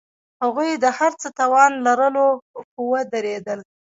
هغوی د هر څه توان لرلو، خو ودریدل.